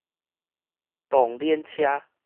動鏈車